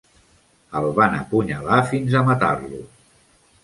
El van apunyalar fins a matar-lo.